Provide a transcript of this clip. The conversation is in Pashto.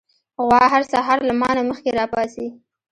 غوا هر سهار له ما نه مخکې راپاڅي.